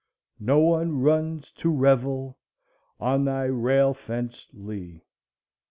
"No one runs to revel On thy rail fenced lea."